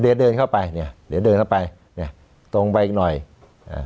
เดี๋ยวเดินเข้าไปเนี้ยเดี๋ยวเดินเข้าไปเนี้ยตรงไปอีกหน่อยอ่า